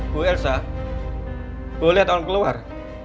bu elsa gue lihat orang keluar